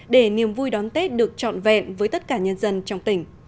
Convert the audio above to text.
để niềm vui đón tết được trọn vẹn với tất cả nhân dân trong tỉnh